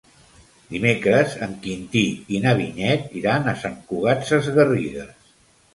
Dimecres en Quintí i na Vinyet iran a Sant Cugat Sesgarrigues.